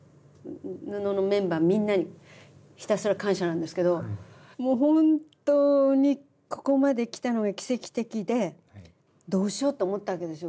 ＮＵＮＯのメンバーみんなにひたすら感謝なんですけどもう本当にここまできたのが奇跡的でどうしようと思ったわけですよ